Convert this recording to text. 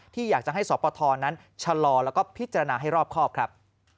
ที่อยากจะให้สปทนั้นชะลอแล้วก็พิจารณาให้รอบครอบครับ